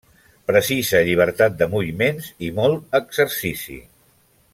Precisa llibertat de moviments i molt exercici.